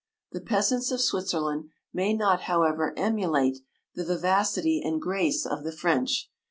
The peasants of Switzerland may not however emulate the vivacity 104 and grace of the French.